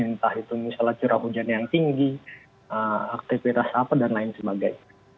entah itu misalnya curah hujan yang tinggi aktivitas apa dan lain sebagainya